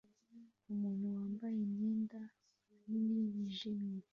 Umuntu wambaye imyenda nini yijimye